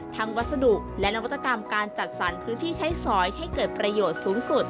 วัสดุและนวัตกรรมการจัดสรรพื้นที่ใช้สอยให้เกิดประโยชน์สูงสุด